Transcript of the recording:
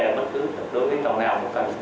nếu có bất kỳ bất cứ tàu nào mà cần sử dụng chất